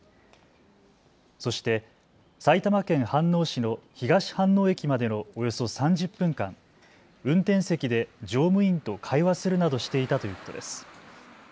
そして埼玉県飯能市の東飯能駅までのおよそ３０分間、運転席で乗務員と会話するなどしていたということです。